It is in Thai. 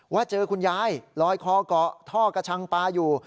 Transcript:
ว่าเจอคุณยายลอยคอเกาะท่อกระชังปลาอยู่